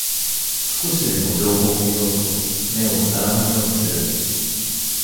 少しでも情報を得ようと目を皿のようにする